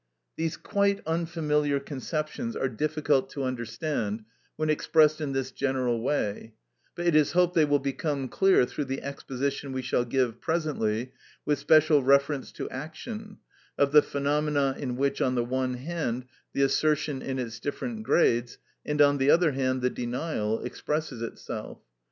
These quite unfamiliar conceptions are difficult to understand when expressed in this general way, but it is hoped they will become clear through the exposition we shall give presently, with special reference to action, of the phenomena in which, on the one hand, the assertion in its different grades, and, on the other hand, the denial, expresses itself.